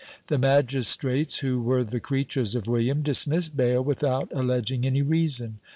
The magistrates, who were the creatures of William, dismissed Bayle without alleging any reason.